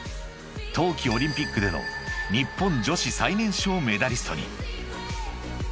［冬季オリンピックでの日本女子最年少メダリストに］